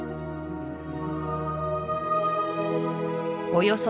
およそ